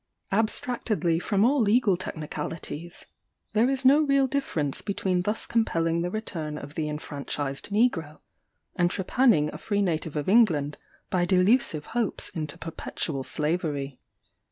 Abstractedly from all legal technicalities, there is no real difference between thus compelling the return of the enfranchised negro, and trepanning a free native of England by delusive hopes into perpetual slavery.